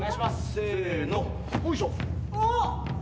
せのおいしょ。